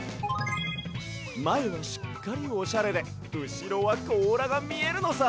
まえはしっかりオシャレでうしろはこうらがみえるのさ！